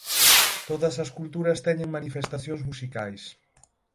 Todas as culturas teñen manifestacións musicais.